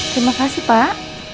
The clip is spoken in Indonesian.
terima kasih pak